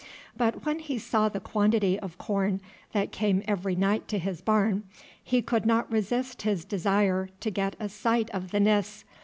But when he saw the quantity of corn that came every night to his barn, he could not resist his desire to get a sight of the Nis.